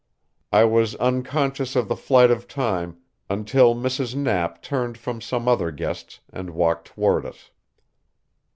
I was unconscious of the flight of time until Mrs. Knapp turned from some other guests and walked toward us.